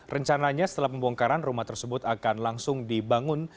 rencananya setelah pembongkaran rumah tersebut akan langsung dibangun